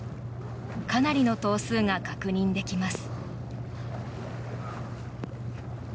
かなりの頭数が確認できます。